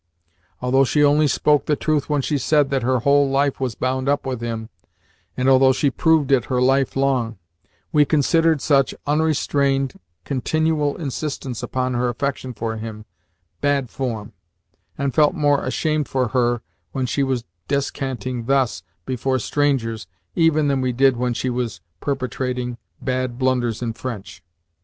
Although she only spoke the truth when she said that her whole life was bound up with him, and although she proved it her life long, we considered such unrestrained, continual insistence upon her affection for him bad form, and felt more ashamed for her when she was descanting thus before strangers even than we did when she was perpetrating bad blunders in French.